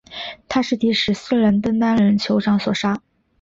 他是第十四任登丹人酋长所杀。